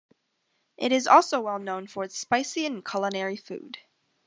It is also well known for its spicy and culinary food.